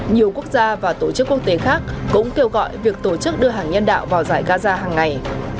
nhiều quốc gia và tổ chức quốc tế khác cũng kêu gọi việc tổ chức đưa hàng nhân đạo vào giải gaza hằng ngày